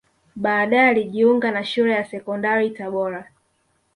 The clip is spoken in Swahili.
Baadae alijiunga na Shule ya Sekondari Tabora